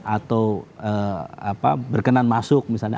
atau berkenan masuk misalnya